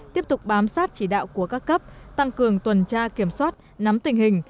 tiếp tục bám sát chỉ đạo của các cấp tăng cường tuần tra kiểm soát nắm tình hình